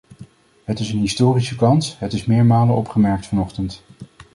Het is een historische kans, het is meermalen opgemerkt vanochtend.